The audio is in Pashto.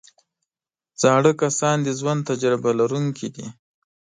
زاړه کسان د ژوند تجربه لرونکي دي